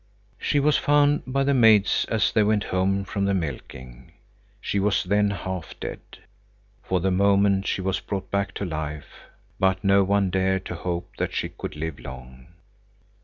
She was found by the maids as they went home from the milking. She was then half dead. For the moment she was brought back to life, but no one dared to hope that she could live long.